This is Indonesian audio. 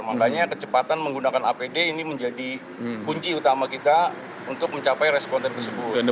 makanya kecepatan menggunakan apd ini menjadi kunci utama kita untuk mencapai responden tersebut